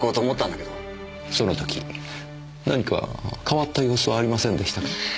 その時何か変わった様子はありませんでしたか？